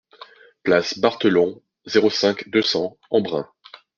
Place Barthelon, zéro cinq, deux cents Embrun